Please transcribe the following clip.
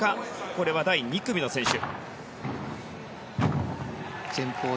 これは第２組の選手。